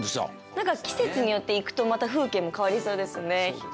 何か季節によって行くとまた風景も変わりそうですね。